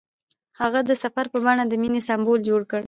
هغه د سفر په بڼه د مینې سمبول جوړ کړ.